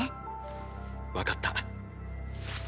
わかった。